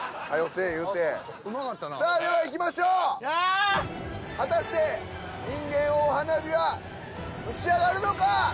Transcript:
せえ言うて・うまかったなさあではいきましょうや果たして人間大花火は打ち上がるのか？